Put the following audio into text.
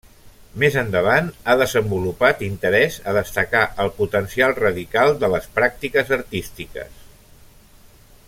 Més endavant ha desenvolupat interès a destacar el potencial radical de les pràctiques artístiques.